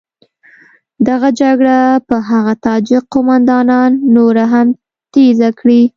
دغه جګړه به هغه تاجک قوماندانان نوره هم تېزه کړي.